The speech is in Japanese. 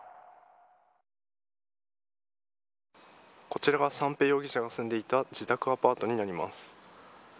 こちらが三瓶容疑者が住んでいた自宅アパートになります。